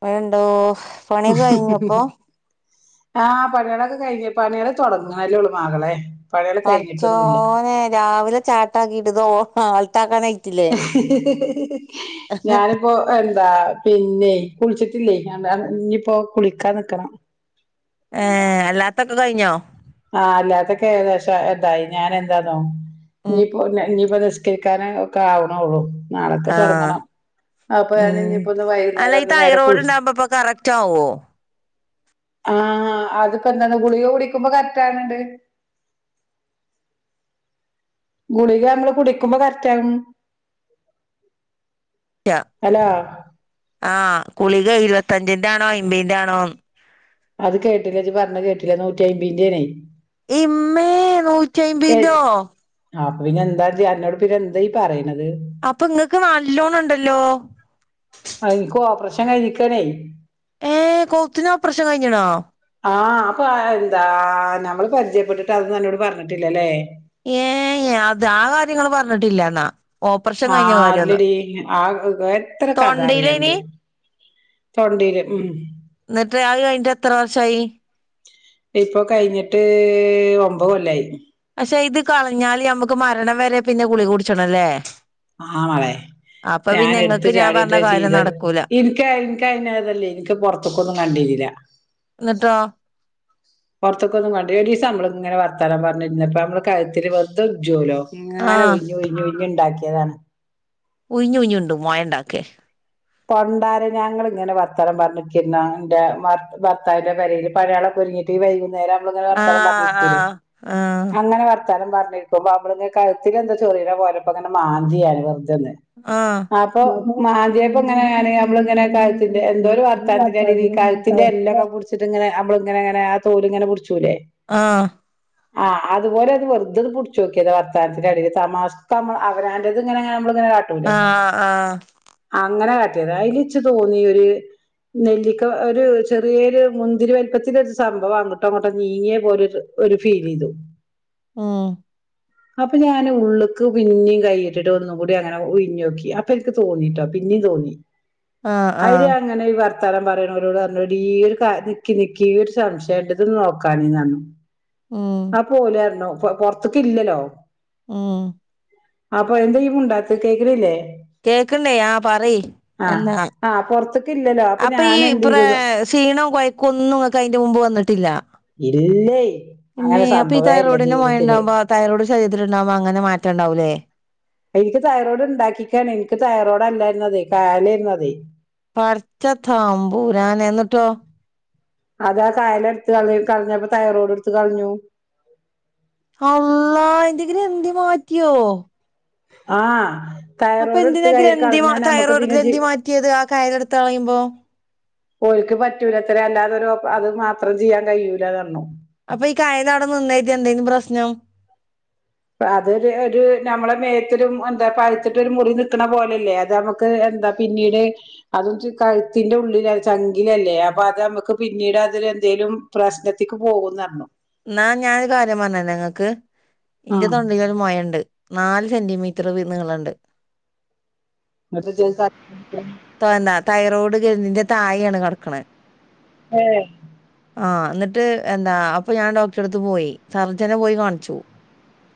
മഴേണ്ടോ, പണിക്കെഴിഞ്ഞപ്പോ? ആ പണീളൊക്കെ കഴിഞ്ഞ് പണീള് തൊടങ്ങാലൊള്ളൂ മകളെ. പണികള് കഴിഞ്ഞിട്ടൊന്നുല്ല പടച്ചോനെ രാവിലെ ചാട്ടാക്കിട്ട്ത് ഓൾ ആൾട്ടാക്കാനായി. ഞാനിപ്പോ ഒരു ന്താ പിന്നെ കുളിച്ചിട്ടില്ലേയ് നാന്താ ഞ്ഞിപ്പോ കുളിക്കാന്നിക്കണം. ഏഹ് അല്ലാത്തൊക്കെ കഴിഞ്ഞോ? ആ അല്ലാതൊക്കെ ഏകദേശം അ ദായി. ഞാൻ എന്താന്നോ, ഞ്ഞിപ്പൊ ഞ്ഞിപ്പൊ ത് നിസ്കരിക്കാനൊക്കെ ദാവ്ണൊള്ളു നാളൊക്കെ ആ തൊടങ്ങണം. അപ്പൊ ഉം ഞാനിഞ്ഞിപ്പോ ഒന്ന് അല്ല ഈ വൈകുന്നേരം നേര തൈറോയ്ഡ് കുളിച്ചു. ഉണ്ടാവുമ്പോ ഇപ്പൊ കറക്റ്റ് ആവോ ആ അതിപ്പെന്താന്നൊ ഗുളിക കുടിക്കുമ്പോ കററ്റാക്ണ് ണ്ട്. ഗുളിക മ്മള് കുടിക്കുമ്പോ കറക്റ്റാക്ണ് ണ്ട്. ക്യാ ആ ഉളിക ഇരുപത്ത ഞ്ചിന്റാണോ, അമ്പയിന്റാണോ? അത് കേട്ടില്ലെജ് പറഞ്ഞത് കേട്ടില്ലെ നൂറ്റിയയ്മ്പയിന്റെണെ. ഇമ്മേ! നൂറ്റി അയ്മ്പയിന്റോ? അപ്പൊ പിന്നെന്താജ് അന്നോട് പിന്നെന്തായീ പറയ്ണ്? അപ്പൊ ങ്ങക്ക് നല്ലോണണ്ടല്ലോ? ചാരിക്കണെയ്. ഏ കോത്തിനോപ്രഷം കഴിഞ്ഞേണോ? ആ അപ്പൊ അ എന്താ നമ്മൾ പരിചയപ്പെട്ടിട്ട് അതോന്നോട് പറഞ്ഞിട്ടില്ലല്ലേ? ത് ങ്ങൾ പറഞ്ഞിട്ടില്ല ന്നാ. ഓപ്പർഷം കഴിഞ്ഞ ആഹ് കാര്യന്നു അല്ലടി ആ എത്ര കഥ തൊണ്ടയിലേയ്നി? അറിയാണ്ട് തൊണ്ടീല് ഉം ന്നിട്ട് അത് കയ്ഞ്ഞിട്ട് എത്ര വർഷായി ഇപ്പൊ കയ്ഞ്ഞിട്ട് ഒമ്പത് കൊല്ലായി ചെയ്ത് കളഞ്ഞാല് നമ്മക്ക് മരണം വരെ പിന്നെ ഗുളിക കുടിച്ചണംല്ലേ ആമളേ ഞാൻ എടുത്ത് ഇങ്ങക്ക് ഞാൻ പറഞ്ഞ ചാടിട്ടേ കാര്യം ചീതത് നടക്കൂല ഇൻക്ക് ഇൻക്കതല്ലേ എനിക്ക് പൊറത്ത്ക്കൊന്നും കണ്ടി ല്ല ന്നിട്ടോ പൊറത്തൊക്കൊന്നും കണ്ടി ഒരീസം നമ്മളിങ്ങനെ വർത്താനം പറഞ്ഞിരുന്നപ്പ നമ്മള് കയ്ത്തില് വെറ്തെ ഉജ്ജോലോ ഇങ്ങനെ ആഹ് ഉയിഞ്ഞുയ്ഞ്ഞുയ്ഞ്ഞു ണ്ടാക്കിയതാണ് ഉയിഞ്ഞു ഉയിഞ്ഞുമൊയണ്ടാക്കേ പണ്ടാരം ഞങ്ങളിങ്ങനെ വർത്താനം പറഞ്ഞിരിക്കെർന്നാ ന്റെ ഭർത്താവിന്റെ പെരേൽ പഴയാളകു ഫ്രീ ആയ് ടീ വൈകുന്നേരം നമ്മളിങ്ങനെ വർത്താനം ആഹ് പറഞ്ഞിരിക്കൂലേ ആഹ് ആഹ് അങ്ങനെ വർ ത്താനം പറഞ്ഞിരിക്കുമ്പോ അമ്മള് കഴുത്തിൽ എന്തോ ചൊറിയണ പോലപ്പോ ങ്ങനെ മാന്തി തന്നെ ആഹ് അപ്പൊ മാന്തിയട് പ്പ് ങ്ങനെ ഞാന് നമ്മള് ഇങ്ങെനെ കഴുത്തിന്റെ എന്തോ ഒരു വർത്താനത്തിന്റെടേൽ കഴുത്തിന്റെ എല്ലാംക്കെ പിടിച്ചിട്ട് ഇങ്ങനെ അമ്മള് ങ്ങനങ്ങെനെ ആ തൊലിങ്ങനെ പുട് - ആ ആ അതുപോലൊന്ന് വെറുതൊന്ന് പുട്ച്ചോക്കേതാ വാർത്താനത്തിന്റെ എടേല് തമാശ്ക്ക് മ്മള് അവനാന്റേത് ങ്ങനെ മ്മള് ആ ആ അങ്ങനെ കാട്ടിയത അയിലിച്ചു തോന്നി ഒര് നെല്ലിക്ക ഒരു ചെറിയൊരു മുന്തിരി വലിപ്പത്തിൽ ഒരു സംഭവം അങ്ങോട്ടോ അങ്ങോട്ടോ നീങ്ങിയ പോലൊരു ഒരു ഫീലിതു ആ അപ്പൊ ഞാന് ഉള്ള്ക്ക് പിന്നീം കൈയിട്ടിട്ട് ഒന്നും കൂടി അങ്ങനെ ഉയ്ഞ്ഞോക്കി അപ്പൊ ഇൻക് തോന്നിട്ടോ പിന്നീം തോന്നി ആഹ് അയ്ല് ആഹ് ഞാങ്ങനെ ഈ വർ ത്താനം പറയണോരോട് പറഞ്ഞു എടീ ഒരു കാര്യ നിക്കി നിക്കി ഒരു സംശയണ്ട് ഇതൊന്നു നോക്കാണീന്നറഞ്ഞു ഉം ആ പോലർഞ്ഞു പൊറത്ത്ക്കില്ലലോ ആ അപ്പൊ എന്താ യീ മുണ്ടാത്ത് കേക്ക്ണില്ലേ കേക്കണ്ടേ ആ പറയി ആഹ് എന്താ ആഹ് പൊറത്ത്ക്ക് ഇല്ലല്ലോ അപ്പൊ ഈ ഞാൻ എന്ത് പ്ര ചെയ്തുന്ന് ക്ഷീണം കൊയക്കൊന്നുംങ്ങക്കയിന്റെ മുമ്പ് വന്നിട്ടില്ല ഇല്ലയ് ഇമ്മേ അപ്പൊ ഈ തൈറോയിഡിന്റെ മൊയണ്ടാകുമ്പോ തൈറോയ്ഡ് ശരീത്തിണ്ടാവുമ്പോ അങ്ങനെ മാറ്റംണ്ടാവൂലേ എനിക്ക് തൈറോയ്ഡ് ണ്ടാക്കിക്കാണ് എനിക്ക് തൈറോയ്ഡ് അല്ലായിര്ന്നതേ കയലേരുന്നതേ പടച്ച തമ്പുരാനെ ന്നിട്ടോ അതാ കയല എടുത്ത് കളഞ് കളഞ്ഞപ്പൊ തൈറോയ്ഡ് ടുത്ത് കളഞ്ഞു അള്ളാ അയിന്റെ ഗ്രന്ധി മാറ്റിയോ ആ അപ്പൊ എന്തിനാ ഗ്രന്ഥി മ തൈറോയ്ഡ് പിന്നെ ജി ഗ്രന്ഥി മാറ്റേത് ആ കയലടുത്ത് കളയുമ്പോ ഓൽക്ക് പറ്റൂലത്രേ അല്ലാതെ ഒരു ഓപ് അത് മാത്രം ചിയ്യാൻ കയൂലാന്ന് പറഞ്ഞു അപ്പൊ ഈ കയല അവടെ നിന്നായിതി എന്തേന്നു പ്രശ്നം അതൊരു ഒരു നമ്മളെ മേത്തൊരും എന്താ പഴുത്തിട്ട് ഒരു മുറി നിക്കണ പോലല്ലേ അത് നമുക്ക് എ എന്താ പിന്നീട് അതും കഴുത്തിന്റെ ഉള്ളില് ചങ്കിലല്ലേ അപ്പൊ അതമ്മക്ക് പിന്നീട് അതില് ന്തേലും പ്രശ്നത്തിക്ക് പോകുന്നറഞ്ഞു ന്നാ ഞാനൊരു കാര്യം പറഞ്ഞേരണൊങ്ങക്ക് ഇന്റെ ആഹ് തൊണ്ടേല് ഒരു മൊയണ്ട് നാല് സെന്റിമീറ്റർ നീളണ്ട് ന്ന്ട്ട് ജ്ജ് [unintelligible] താന്നാ തൈറോയ്ഡ് ഗ്രന്ധിന്റെ തായെയാണ് കിടക്കണെ ഏഹ് ആഹ് എന്നിട്ട് എന്താ അപ്പൊ ഞാൻ ഡോക്ടറെ അടുത്ത് പോയി സർജനെ പോയി കാണിച്ചു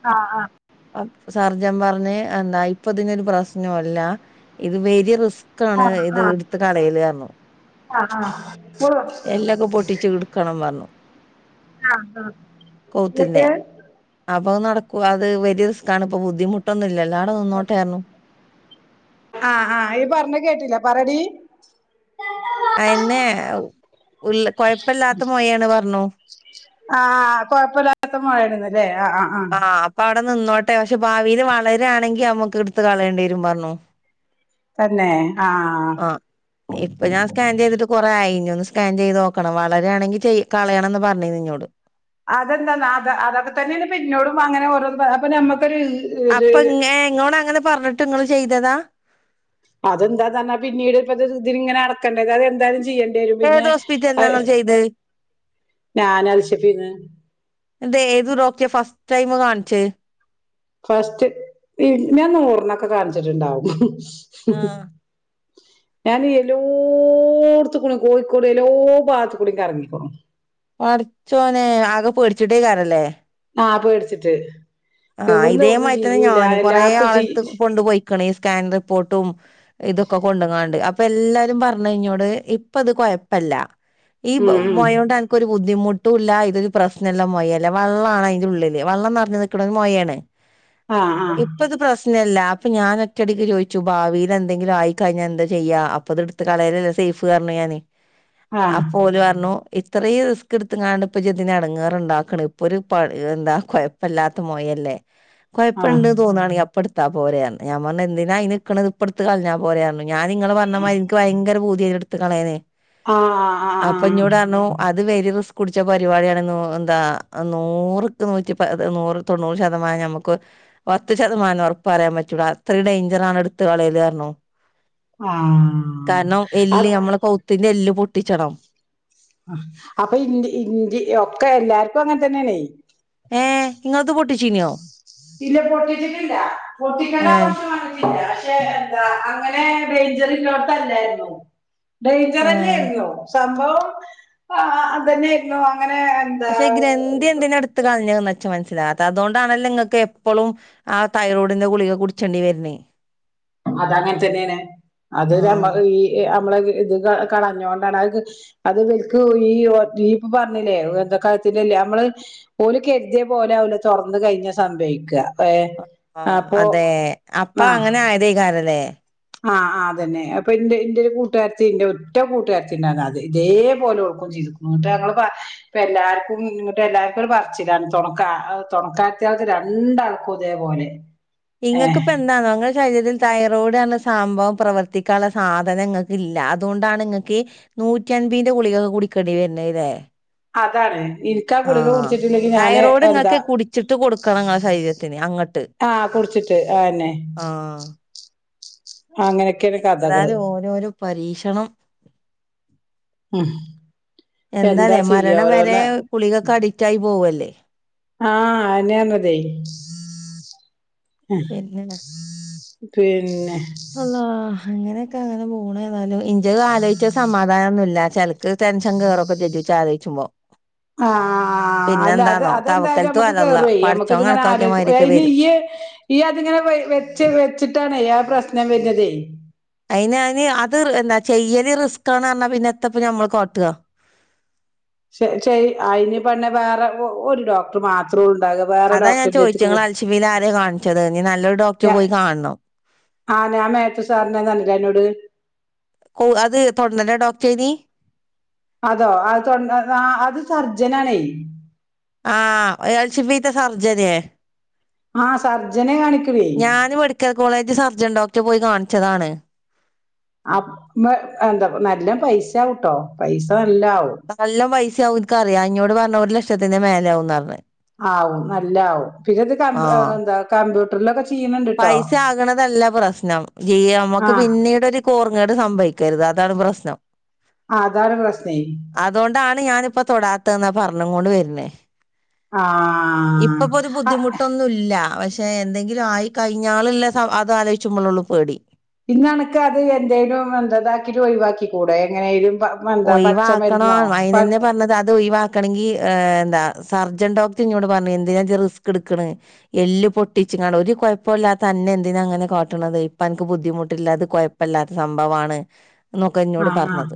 ആ ആ. അപ് സർജൻ പറഞ്ഞെ എന്താ ഇപ്പ ഇതിനൊരു പ്രശ്നംല്ല ഇത് വെരി റിസ്ക് ക്കാണ് ആഹ് ഇത് ആഹ് ഇടുത്ത് കളയല്റഞ്ഞു. ആഹ് ആഹ് എല്ലൊക്കെ പൊട്ടിച്ചു ഇടുക്കണം പറഞ്ഞു. ആ ആ ന്നിട്ട്. അപ്പം നടക്കു അത് വലിയറിസ്കാണ് ഇപ്പോ ബദ്ധിുമു ട്ടൊന്നുല്ല [unintelligible] ആആ ഈ പറഞ്ഞ കേട്ടില്ല പറടി. അയെന്നെ ഉള്ള് കൊഴപ്പില്ലാത്ത മൊഴെണ് പറഞ്ഞു. ആ കൊഴപ്പല്ലാത്ത മുഴെണ്ന്നല്ലെ അ അ ആ. അവടെ നിന്നോട്ടെ പക്ഷെ ഭാവിൽ വളരാ ണെങ്കി അമ്മക്ക് എടുത്ത് കളയേണ്ടി വരും പറഞ്ഞു. തന്നെ. ആഹ് ആ ഇപ്പൊ ഞാൻ സ്കാൻ ചെയ്തിട്ട് കൊറെ ആയി. ഇനി ഒന്ന് സ്കാൻ ചെയ്ത് നോക്കണം വളരാണെങ്കി ചെ കളയണംന്ന് പറഞ്ഞീന്ന് ഇന്നോട്. അതെന്താന്ന അത് അതൊക്കെ തന്നെണ് ഇപ്പൊ ഇന്നോടും അങ്ങനെ ഓരോന്ന് പറ അപ്പൊ നമ്മക്ക് അപ്പൊ ഇങ്ങ ഇങ്ങോട് അങ്ങനെ പറഞ്ഞിട്ട് ഇങ്ങൾ ചെയ്തതാ. അതെന്താന്നറന്ന പിന്നീട് ഇപ്പോ ഇത് ഇതിനിങ്ങനെ നടക്കണ്ടല്ലോ വിചാരിച് ചെയ്യണ്ടി വരും ഏത് ഹോസ്പിറ്റലിലാ പിന്നെഅഹ് ഇങ്ങള് ചെയ്തത് [inaudible] ഞാൻ അത് [unintelligible] പിന്നെ ഇത് ഏത് ഡോക്ടറെ ഫസ്റ്റ് ടൈമ് കാണിച്ചെ. ഫസ്റ്റ് ഞൻ നൂറിനൊക്കെ കാണിച്ചിട്ടുണ്ടാവും ആഹ് ഞാൻ എല്ലോട്ത്ത് കൂടിം കോഴിക്കോട് എല്ലാ ഭാഗത്ത് കുടിം കറങ്ങീക്ക്ണ്. പടച്ചോനെ ആകെ പേടിച്ചിട്ടേക്കാറല്ലേ. അ പേടിച്ചിട്ട്. ആ എവിടുന്ന് എവിടുന്നും ഇതേമായി തന്നെ ചെയ്യൂല ഞാനും കൊറെേ എല്ലായിടത്തും ചെയ് ആളട്ത്ത് കൊണ്ടുപോയിക്ക്ണ് ഈ സ്കാൻ റിപ്പോർട്ടും ഇതൊക്കെ കൊണ്ടങ്ങാണ്ട് അപ്പൊ ഇത് ഇപ്പ എല്ലാരും പറഞ്ഞ് ഇഞ്ഞോട് ഇപ്പ ഇത് കുഴപ്പല്ല ഈ ഉം ഉം മോയോണ്ട് അനക്കൊരു ബു ബുദ്ധിമുട്ടൂല്ല ഇതൊരു പ്രശ്നല്ല മൊയല്ല വെള്ളാണ് അയിന്റെ ഉള്ളില് വള്ളം നറഞ്ഞ് നിക്ക്ണ ഒരു മൊഴെണ്. ആഹ് [inaudible] ഇപ്പത് പ്രശ്ന അല്ല അപ്പൊ ഞാൻ ഒറ്റടിക്ക് ചോയിച്ചു ഭാവിയിൽ എന്തെങ്കിലുംആയികഴിഞ്ഞാൽ എന്താ ചെയ്യാ അപ്പ ഇത് എടുത്ത് കളയലല്ലെ സേഫ്. പറഞ്ഞു ഞാന് ആഹ് അപ്പൊ ഓല് പറഞ്ഞു ഇത്രയും റിസ്ക് ഇടുത്ത് ങ്ങാണ്ട് ഇപ്പൊ ഇജ്തിന് എടങേറ്ണ്ടാക്ണെ ഇപ്പൊ ഒരു എന്താ കൊഴപ്പല്ലാ കുഴപ്പല്ലാത്ത മൊഴല്ലേ ആഹ് കൊഴപ്പണ്ട് തോന്നാണെങ്കി അ അപ്പെടുത്ത പോരെർന്ന് ഞാൻ പറഞ്ഞ് എന്തിനാ അയിനിക്കണത് ഇപ്പെടുത്തു കളഞാ പോരെന്നർന്ന്. ഞാൻ നിങ്ങള് പറഞ്ഞ മായിരി ഇ നിക്ക് ഭയങ്കര പൂതിയെർന്ന് ഇടുത്ത് കളയാന് ആഹ് ആഹ് അപ്പൊ ആഹ് ഇന്നോട് പറഞ്ഞു അത് അത് വെരി റിസ്ക് പിടിച്ച പരിപാടിയാണ് നൂ എന്താ നൂറ്ക്ക് നൂറ്റി പ ഇത് നൂറ് തൊണ്ണൂറ് ശതമാനം നമുക്ക് പത്ത് ശതമാനം ഉറപ്പ് പറയാൻ പറ്റൂല അത്രയും ഡേയ്ഞ്ചറാണ് എടുത്ത് കളയല് പറഞ്ഞു. ആഹ് കാരണം എല്ല് ആഹ് ഞമ്മളെ കൗത്തിന്റെ എല്ല് പൊട്ടിച്ചണം. അ അപ്പൊ ഇന്റി ഇന്റി ഒക്കെ എല്ലാർക്കും അങ്ങനെ തന്നെണെ. ഏ നിങ്ങളത് പൊട്ടി. ഇല്ല പൊട്ടിച്ചിട്ടില്ല പൊട്ടിക്കേണ്ട ഏഹ് ആവശ്യം വന്നിട്ടില്ല. [unintelligible] എന്താ അങ്ങനെ ഡെയിഞ്ചറിള്ളോടത്തെല്ലായിരുന്നു. ഏഹ് ഡെയ്ൻജെറെന്നേഞ്ഞോ? സംഭവംഅ ആ അതെ ന്നേര്ന്നോ? പക്ഷെ ഇ ഗ്രന്ഥി എന്തിനാ എട്ത്ത് കളഞ്ഞതന്ന ച്ചു മനസ്സിലാആത്ത അതോണ്ടാണല്ലോങ്ങക്ക് എപെളും ആ തൈറോഡിന്ന് ഗുളിക കുടിച്ചെണ്ടി വര്ണേ. അത് അങ്ങൻ തന്നേണ് അത് ആഹ് രമ്മഹ് ഈ എ അ മ്മളെ ഇ ഇത് ക കളഞ്ഞോണ്ടാണ് അഹ്ക് അത് ഇത്ൽക് ഈ ഒ അഹ് രീപ്പ പർഞ്ഞിലെ വെർതെ ക പിന്നെല്ലെ അമ്മള് ഓല് കെര്ദ്യെ പോലെ ആവുല തൊർന്ന് കഴിഞ്ഞ സംഭവിക്ക. അ ആ അതേ അപ്പ അങ്ങനെ ആയതേയ്കാരം ല്ലെ ആ ആ അതന്നെ അപ്പൊ ഇന്റെ ഇന്റെ ഒരു കൂട്ടുകാരത്തി ഇന്റെ ഒറ്റ കൂട്ടുകാരത്തിണ്ടാന്ന് അത് ഇതേപലെഓൾക്കും ചെയ് ഇപ്പം എല്ലാർക്കും എല്ലാർക്കും ഒരു പറച്ചിലാ തൊണക്ക തൊണക്കാ ത് രണ്ടാൾക്കും ഇതേപോലെ ഏഹ് ഇങ്ങ‌ക്കിപ്പ എന്താണോ ഇങ്ങൾ ടെ ശരീരത്തിൽ തൈറോയിഡ് എന്ന സംഭവം പ്രവർത്തിക്കാള്ള സാധനം ഇങ്ങ‌ക്കില്ല അതുകൊണ്ടാണ് ഇങ്ങക്കീ നൂറ്റൻമ്പീന്റെ ഗുളിക കുടിക്കേണ്ടി വര്ണേല്ലേ അതാണ് ഇനിക്കാ ഗുളിക ആഹ് കുടിച്ചിട്ടില്ലെങ്കി ഞാന് തൈറോയ്ഡ് എന്താ ഇങ്ങക്ക് കുടിച്ചിട്ട് കൊടുക്കണം ഇങ്ങടെ ശരീരത്തിന് അങ്ങട്ട് ആഹ് കുടിച്ചിട്ട് ആ അന്നെ ഏതാലും ഓരോരോ പരീക്ഷണം ഉം എന്താ എന്താല്ലെ ചെയ്യാ മരണം വരേ ഓരോന്ന് ഗുളികക്ക് അഡിക്റ്റായി പോവുവല്ലേ ആഹ് അന്നാന്നതേ അഹ് പിന്നെ പിന്നെ അള്ളാ അങ്ങനെയൊക്കെ അങ്ങനെ പോണ് ഏതായാലും ഇഞ്ചത് ആലോചിച്ച സമാധാനൊന്നുല്ല ചല ക്ക് ടെൻഷൻ കയറും [unintelligible] ആലോജിച്ചുമ്പോ ആഹ് ആഹ് അല്ല അത് അതെന്തായാലും തവക്കൽത്തു നമ്മക്ക് അലല്ലാഹ് കേറുവേ പടച്ചോൻ അമ്മക്കതിങ്ങന കണക്കാക്കിയ ആലോജിക്കുമ്പ മാതിരിയൊക്കെ അയിന് വരും. ഈയ് ഈയതിങ്ങനെ വെച്ച് വെച്ചിട്ടാണേ ആ പ്രശ്നം വെരന്നതേ അയിന് [unintelligible] എന്താ ചെയ്യല് റിസ്ക്കാന്ന് പറഞ്ഞാ പിന്നെ എത്തപ്പ ഞമ്മള് കാട്ടുക ശ് ശ് അയിന് പിന്നെ വേറെ ഒ ഒരു ഡോക്ടറ് മാ അതാ ഞാൻ ചോദിച്ചെ നിങ്ങള് അൽഷിബേല് ആരേ കാണിച്ചത് ഇനി നല്ലൊരു ഡോക്ടറെ പോയി കാണണം ആഹ് ഞാൻ മാത്യു സാറിനെ [unintelligible] അന്നോട്‌ ഓഹ് അത് തൊണ്ടട ഡോക്ടറാ അയ്ന് അതോ അത് തൊൺ ആഹ് അത് സർജനാണേ ആഹ് [unintelligible] സർജനേ ആഹ് സർജനേ കാണിക്കലേ ഞാന് മെഡിക്കൽ കോളേജ് സർജൻ ഡോക്ടറെ പോയി കാണിച്ചതാണ്. അപ് വ് എന്താ നല്ല പൈസാവിട്ടോ പൈസ നല്ല ആവും [unintelligible] അതെല്ലാം പൈസയാവും എനിക്കറിയാം എഞ്ഞോട് പറഞ്ഞു ഒരു ലക്ഷത്തിന്റെ മേലേ ആവൂന്ന് പറഞ്ഞു ആവും നല്ല ആവും പിന്നത് കമ്പ് ആഹ് എന്താ കമ്പ്യൂട്ടറിലൊക്കെ ചെ- പൈസ ആകണതല്ല പ്രശ്നം. [unintelligible] അമ്മക്ക് ആഹ് പിന്നീട് ഒരു കോർങ്ങേട് സംഭവി [unintelligible] അതാണ് പ്രശ്നം ആഹ് അതാണ് പ്രശ്നേ അതൊണ്ടാണ് ഞാനിപ്പോ തൊടാത്തേന്നാ പറഞ്ഞും കൊണ്ട് വര്ണെ ആഹ് ഇപ്പപ്പോ ഒരു ആഹ് ബുദ്ധിമുട്ടൊന്നും ഇല്ല പഷ് [unintelligible] എന്തെങ്കിലും ആയി കഴിഞ്ഞാള് ള്ള സ അത് ആലോയിച്ചുമ്പളെ ഉള്ളൂ പേടി പിന്ന നിനക്കത് അത് എന്തേലും എന്താ ഇതാക്കീട്ട് ഒഴിവാക്കി കൂടെ എങ്ങനേലും പ എന്താ പച്ചമരുന്നോ ഒയിവാക്കണം പ അയിനന്നെ പറഞ്ഞത് അത് ഒയിവാ [unintelligible] ഏഹ് എന്താ സർജൻ ഡോക്ടർ എന്നോട് പറഞ്ഞു എന്തിനാ ജ്ജ് റിസ്ക് എടുക്കണ് എല്ല് പൊട്ടിച് [unintelligible] ഒരു കൊഴപ്പൊല്ലാത്ത അന്നെ എന്തിനാ അങ്ങനെ കാട്ടണത് ഇപ്പ അനക്ക് ബുദ്ധിമുട്ടില്ലാ അത് കുഴപ്പമില്ലാത്ത സംഭവാണ് എന്നൊക്കെ എന്നോട് ആഹ് ആഹ് പറഞ്ഞത്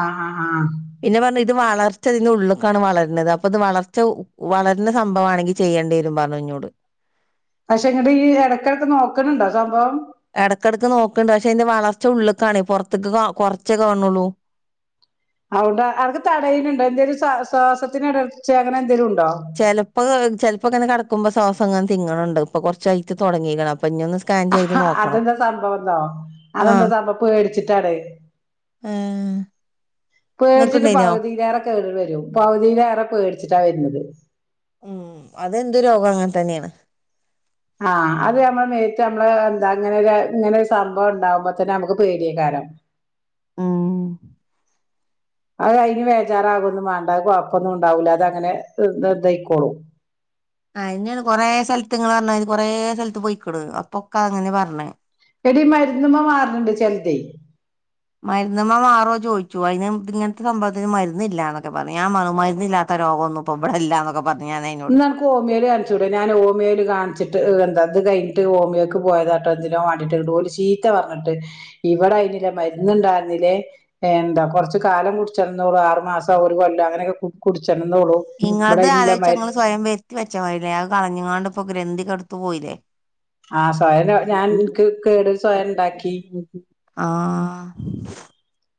ആഹ് ഹ ഹ പിന്നെ പറഞ്ഞു ഇത് വളർച്ച ഇതിന്റെ ഉള്ള്ക്കാണ് വളരണത് അപ്പൊ ഇത് വളർച്ച വളരുന്ന സംഭവാണെങ്കി ചെയ്യേണ്ടി വരും പറഞ്ഞു എന്നോട് പക്ഷെ ഇങ്ങട് ഈ എടയ്ക്കെടക്ക് നോക്കണുണ്ടോ സംഭവം എടക്കെടക്ക് നോക്കണ്ട് പക്ഷെ അതിന്റെ വളർച്ച ഉള്ള്ക്കാണ് പൊറത്ത്ക്ക് ക കൊറച്ചേ കാണണുള്ളൂ അവിട അവർക്ക് തടയിലുണ്ടോ എന്തേലും സ്വാ സ്വാസത്തിന് എടർച്ച അങ്ങനെ എന്തേലും ഉ ചെലപ്പൊ ചെലപ്പോക്കെ ഇങ്ങനെ കെട ഇപ്പോ ശ്വാസങ്ങനെ തിങ്ങണണ്ട് ഇപ്പൊ കൊറച്ചായിറ്റ് തുടങ്ങിക്ക്ണ് അപ്പൊ ഇഞ്ഞൊന്ന് ഹ ഹ അതെന്താ സംഭവമ്ന്നൊ, അതെന്താ ആഹ് സംഭവം പേട്ച്ച്ട്ടാണ്. ഏഹ് പേടിച്ചിട്ട് ഇങ്ങക്ക്ണ്ടേനോ പകുതീലേറെ കേറി വരും പകുതീലേറെ പേട്ച്ച്ട്ടാ വരുന്നത്. ഉം അതെന്ത്തു രോഗം അങ്ങനെ തന്നെയാണ്. ആഹ് അത് നമ്മള് മറ്റ് നമ്മള് എന്താ അങ്ങനെ ഇങ്ങനെ ഒരു സംഭവം ഉണ്ടാവുമ്പോ തന്നെ നമ്മുക്ക് പേടിയക്കാരം [inaudible] ഉം അത് അതിന് വേജാറാകൊന്നും വേണ്ടാ അത് കൊഴപ്പൊന്നും ഉണ്ടാവൂല്ല. അത ങ്ങനെ ഇദയ്ക്കോളും [inaudible] ആ് ഇന്നാണ് കൊറേ സ്ഥലത്ത് ങ്ങള് പറഞ്ഞമാരി കൊറേ സ്ഥലത്ത് പൊയ്ക്കണ് അപ്പളൊക്കെ അങ്ങനെ പറഞ്ഞത്. എടി മര്ന്ന് മാറ്ണണ്ട് ചെൽതേയ്. മര്ന്ന്മ്മെ മാറോ ചോദിച്ചു. അയിന് ഇങ്ങൻത്തെ സംഭവത്തിന് മരുന്നില്ലന്നൊക്കെ പറഞ്ഞു. ഞാൻ പറഞ്ഞു മരുന്നില്ലാത്ത രോഗൊന്നുപ്പൊ ഇബടെല്ലാന്നൊക്കെ പറഞ്ഞ ഇന്നാ അനക്ക് ഹോമിയോല് കാണിച്ചൂടെ. ഞാൻ ഹോമിയോല് കാണിച്ചിട്ട് എന്താ അത് കഴിഞ്ഞിട്ട് ഓമിയോക്ക് പോയതാട്ടോ എന്തിനോ വാണ്ടീട്ട്, ഓല് ചീത്ത പറഞ്ഞിട്ട് ഇവിടെഅയിൻല്ല മരുന്ന് [unintelligible] എന്താ കൊറച്ച് കാലം കുടിച്ചിറന്നോളു ആറ് മാസോ, ഒരു കൊല്ലോ അങ്ങനൊ ചെന്നോളൂ ഇവിടെ ഇല്ല മര്ന്ന് കുത്തി വെച്ച പോല്ലേ അത് കളഞ്ഞാണ്ട് പ്പോഗ്രന്ഥിക്ക ടുത്തു പോയില്ലേ. ആഹ സ്വയ ഞാൻ എനിക്ക് കേട് സ്വയം ഉണ്ടാക്കി. ആ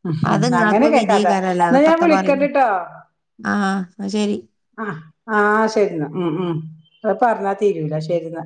ഹും ഹും അങ്ങനെ കേക്കാത്ത എന്നാ ഞാൻ ഇപ്പത്താ പറയ്ണ് വിളിക്കണ്ട്ട്ടോ? ആഹ് അത് ശരി ആ ആ ശരിന്ന ഉം ഉം. അ പറഞ്ഞാ തീരൂല ശരിന്നാ.